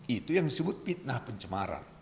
itu yang disebut fitnah pencemaran